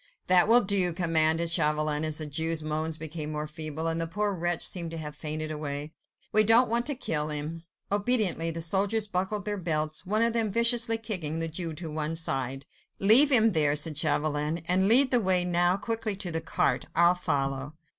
"That will do," commanded Chauvelin, as the Jew's moans became more feeble, and the poor wretch seemed to have fainted away, "we don't want to kill him." Obediently the soldiers buckled on their belts, one of them viciously kicking the Jew to one side. "Leave him there," said Chauvelin, "and lead the way now quickly to the cart. I'll follow."